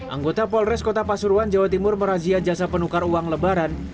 anggota polres kota pasuruan jawa timur merazia jasa penukar uang lebaran